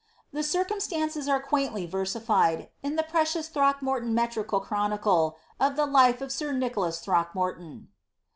The circumstances are quaintly versified^ in the precious Throckmorton metrical chronicle of the ^ Life of Sir Nicholas Throckmorton."